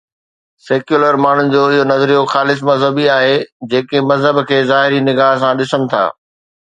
Secular ماڻهن جو اهو نظريو خالص مذهبي آهي، جيڪي مذهب کي ظاهري نگاه سان ڏسن ٿا.